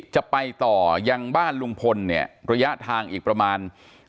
จะไปต่อยังบ้านลุงพลเนี่ยระยะทางอีกประมาณ